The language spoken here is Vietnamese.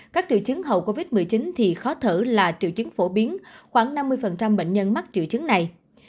các triệu chứng hậu covid một mươi chín thì khó thở là triệu chứng phổ biến khoảng năm mươi bệnh nhân mắc triệu chứng này